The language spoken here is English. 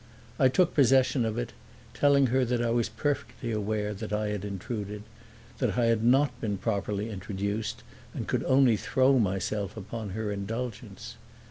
I took possession of it, telling her that I was perfectly aware that I had intruded, that I had not been properly introduced and could only throw myself upon her indulgence.